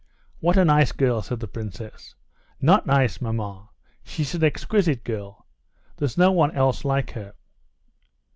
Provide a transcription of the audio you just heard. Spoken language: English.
"What a nice girl!" said the princess. "Not nice, maman; she's an exquisite girl; there's no one else like her."